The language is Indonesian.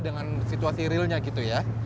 dengan situasi realnya gitu ya